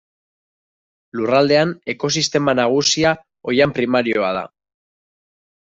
Lurraldean ekosistema nagusia oihan primarioa da.